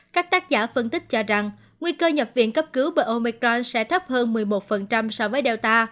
các tác giả phân tích cho rằng nguy cơ nhập viện cấp cứu bởi omicron sẽ thấp hơn một mươi một so với delta